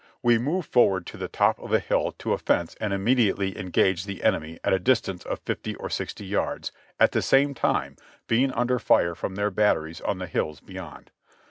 We moved forward to the top of a hill to a fence and immediately engaged the enemy at a distance of fifty or sixty yards, at the same time being under fire from their batteries on the hills beyond.